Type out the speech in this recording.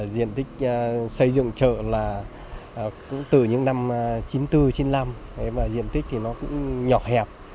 diện tích xây dựng trợ là từ những năm chín mươi bốn chín mươi năm diện tích thì nó cũng nhỏ hẹp